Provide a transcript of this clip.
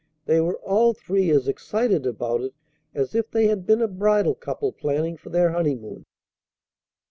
They were all three as excited about it as if they had been a bridal couple planning for their honeymoon.